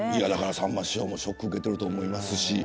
さんま師匠もショックを受けていると思います。